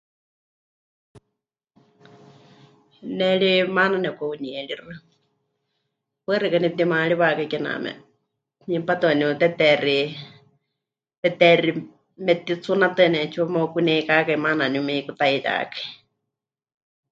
Ne ri maana nepɨka'unieríxɨ, paɨ xeikɨ́a nepɨtimaariwakai kename hipátɨ waníu teteexi, teteexi metitsunátɨ waníu 'eetsiwa meukuneikákai maana waníu meikutaiyákai.